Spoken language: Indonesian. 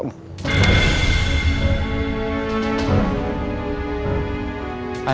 dan berhentinya sama kamu